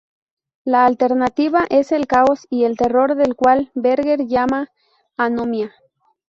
La alternativa es el caos y el terror del cual Berger llama anomia.